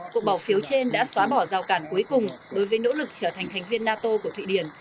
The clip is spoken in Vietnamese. cuộc bỏ phiếu trên đã xóa bỏ rào cản cuối cùng đối với nỗ lực trở thành thành viên nato của thụy điển